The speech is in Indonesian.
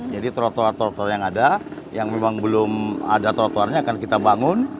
jadi trotoar trotoar yang ada yang memang belum ada trotoarnya akan kita bangun